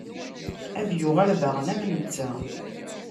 Ad yuɣal daɣen am netta.